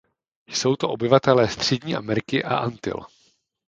Jsou to obyvatelé střední Ameriky a Antil.